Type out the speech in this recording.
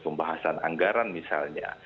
pembahasan anggaran misalnya